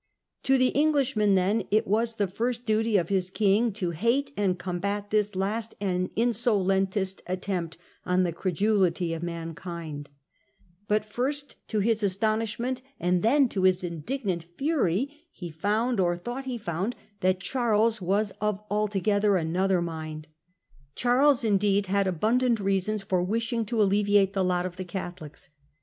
* To the Englishman, then, it was the first duty of his King to hate and combat 'this last and insolentest Charles attempt on the credulity of mankind.* But helpthe 0 ^ rst to aston i sliment > an d then to his Catholics. indignant fury, he found, or thought he found, that Charles was of altogether another mind. Charles indeed had abundant reasons for wishing to alleviate the lot of the Catholics.